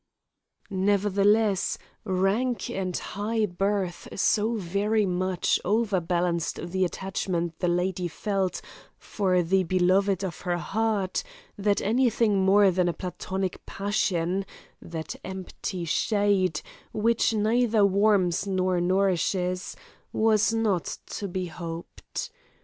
Nevertheless, rank and high birth so very much overbalanced the attachment the lady felt for the beloved of her heart, that any thing more than a Platonic passion that empty shade, which neither warms nor nourishes was not to be hoped.